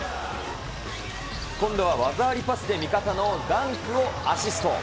今度は技ありパスで味方のダンクをアシスト。